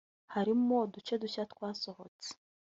harimo uduce dushya twasohotse